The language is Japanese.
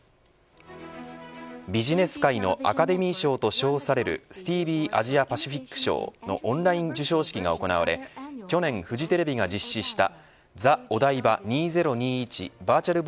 ビジネス界のアカデミー賞と称されるスティービー・アジア・パシフィック賞のオンライン授賞式が行われ去年フジテレビが実施したＴＨＥＯＤＡＩＢＡ２０２１